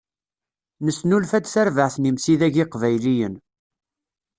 Nesnulfa-d tarbaεt n imsidag iqbayliyen.